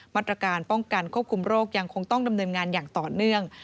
มาตรการป้องกันควบคุมโรคยังคงต้องดำเนินงานอย่างต่อเนื่อง